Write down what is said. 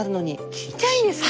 ちっちゃいんですか